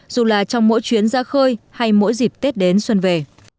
dù là trong mỗi chuyến ra khơi hay mỗi dịp tết đến xuân về